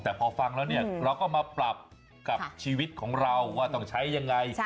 แต่พอฟังแล้วเนี่ยเราก็มาปรับกับชีวิตของเราว่าต้องใช้ยังไง